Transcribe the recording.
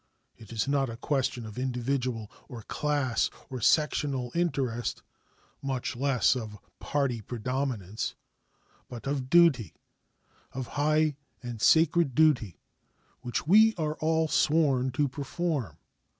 It is not a question of individual or class or sectional interest, much less of party predominance, but of duty of high and sacred duty which we are all sworn to perform.